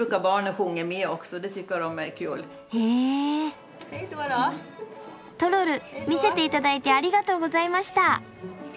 トロル見せていただいてありがとうございました。